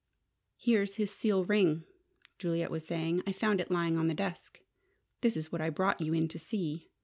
"Here's his seal ring," Juliet was saying. "I found it lying on the desk. This is what I brought you in to see.